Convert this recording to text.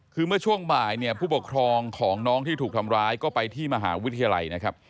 คือเมื่อช่วงบ่ายเนี่ยผู้ปกครองของน้องที่ถูกทำร้ายก็ไปที่มหาวิทยาลัยนะครับ